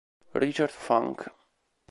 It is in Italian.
Richard Funk